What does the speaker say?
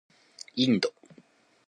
インド